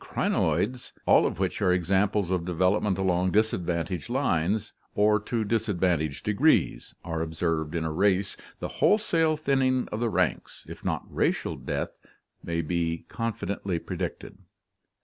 crinoids — all of which are examples of development along disadvantageous lines or to disadvantageous degrees — are observed in a race, the wholesale thinning of the ranks, if not racial death, may be confidently predicted.